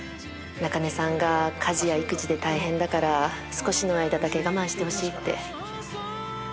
中根さんが家事や育児で大変だから少しの間だけ我慢してほしいって。